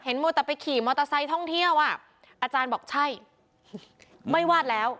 มัวแต่ไปขี่มอเตอร์ไซค์ท่องเที่ยวอ่ะอาจารย์บอกใช่ไม่วาดแล้ว